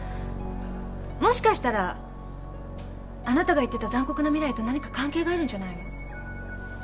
もしかしたらあなたが言ってた残酷な未来と何か関係があるんじゃないの？